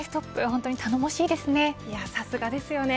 本当に頼もしいですね。